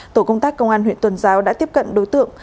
tổ công tác công an huyện tuần giáo đã tiếp cận đối tượng